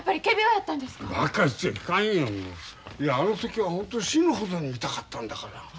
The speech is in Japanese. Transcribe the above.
いやあの時は本当死ぬほどに痛かったんだから。